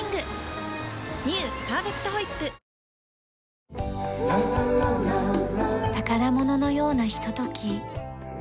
「パーフェクトホイップ」宝物のようなひととき。